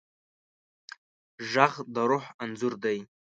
غږ د روح انځور دی